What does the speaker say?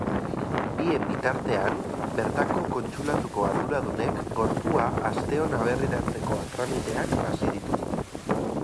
Bien bitartean, bertako kontsulatuko arduradunek gorpua asteon aberriratzeko tramiteak hasi dituzte.